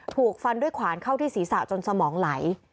ถูกฟันด้วยขวานเข้าที่ศีรษะจนสมองไหล